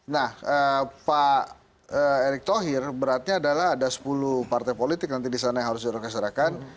nah pak erick thohir beratnya adalah ada sepuluh partai politik nanti di sana yang harus direnggasarkan